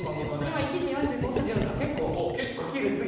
今１時４５分です。